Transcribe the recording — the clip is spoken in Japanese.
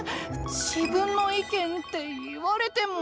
自分の意見って言われても。